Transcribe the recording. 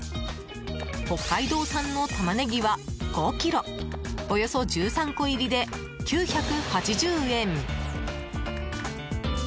北海道産のタマネギは５ｋｇおよそ１３個入りで９８０円。